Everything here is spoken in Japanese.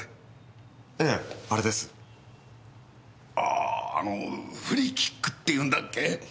あああのフリーキックっていうんだっけ？